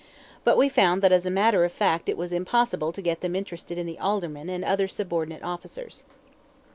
But we found that as a matter of fact it was impossible to get them interested in the Aldermen and other subordinate officers.